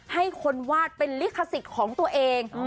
ให้คนวาดเป็นลิขสิทธิ์ของตัวเอง